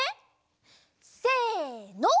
せの。